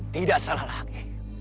tidak salah lagi